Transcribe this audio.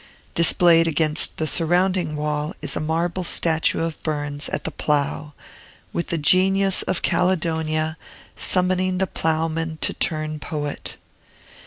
Displayed against the surrounding wall is a marble statue of Burns at the plough, with the Genius of Caledonia summoning the ploughman to turn poet.